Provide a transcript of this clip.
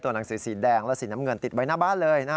หนังสือสีแดงและสีน้ำเงินติดไว้หน้าบ้านเลย